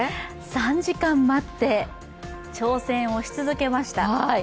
３時間待って、挑戦をし続けました。